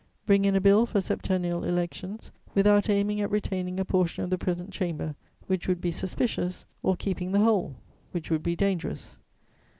"Bring in a bill for septennial elections, without aiming at retaining a portion of the present Chamber, which would be suspicious, or keeping the whole, which would be dangerous.